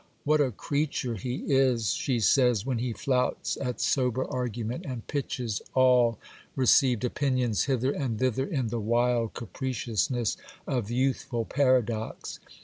'What a creature he is!' she says, when he flouts at sober argument and pitches all received opinions hither and thither in the wild capriciousness of youthful paradox.